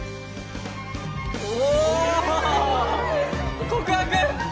おお告白？